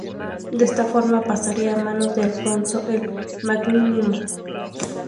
De esta forma pasaría a manos de Alfonso el Magnánimo.